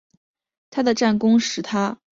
他的战功使他被选为后来的行动的负责人。